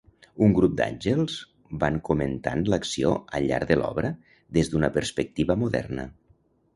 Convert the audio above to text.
Un grup d'Àngels van comentant l'acció al llarg de l'obra des d'una perspectiva moderna.